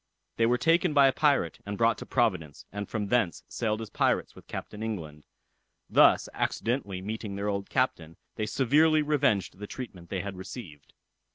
They were taken by a pirate, and brought to Providence, and from thence sailed as pirates with Captain England. Thus accidentally meeting their old captain, they severely revenged the treatment they had received.